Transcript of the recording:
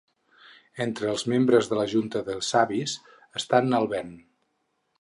Entre els membres de la Junta de Savis estan el Ven.